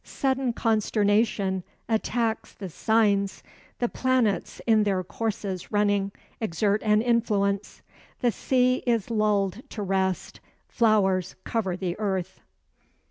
Sudden consternation attacks the signs; the planets, in their courses running, exert an influence: The sea is lulled to rest, flowers cover the earth.